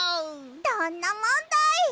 どんなもんだい！